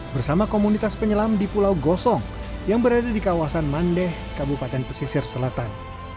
bersama komunitas penyelam di pulau gosong yang berada di kawasan mandeh kabupaten pesisir selatan